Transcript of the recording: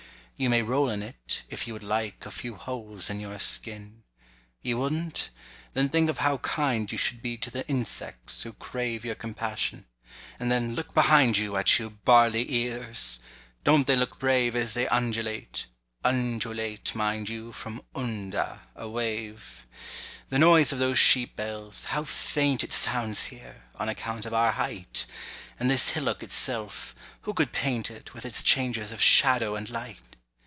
You may roll in it, if you would like a Few holes in your skin. You wouldn't? Then think of how kind you Should be to the insects who crave Your compassion—and then, look behind you At you barley ears! Don't they look brave As they undulate—(undulate, mind you, From unda, a wave). The noise of those sheep bells, how faint it Sounds here—(on account of our height)! And this hillock itself—who could paint it, With its changes of shadow and light?